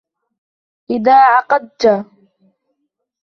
إذَا قَعَدْت